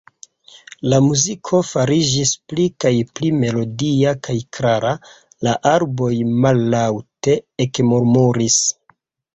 La muziko fariĝis pli kaj pli melodia kaj klara; la arboj mallaŭte ekmurmuris.